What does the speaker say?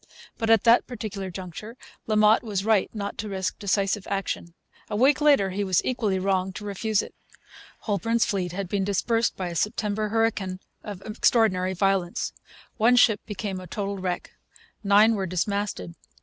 But, at that particular juncture, La Motte was right not to risk decisive action. A week later he was equally wrong to refuse it. Holbourne's fleet had been dispersed by a September hurricane of extraordinary violence. One ship became a total wreck. Nine were dismasted.